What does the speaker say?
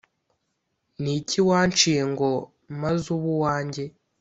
Niki wanciye ngo maze ube uwange